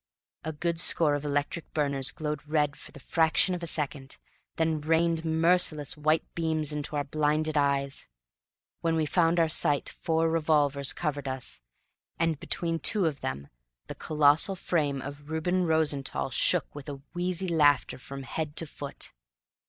A good score of electric burners glowed red for the fraction of a second, then rained merciless white beams into our blinded eyes. When we found our sight four revolvers covered us, and between two of them the colossal frame of Reuben Rosenthall shook with a wheezy laughter from head to foot.